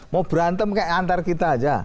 mau berantem kayak antar kita aja